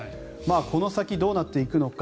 この先どうなっていくのか。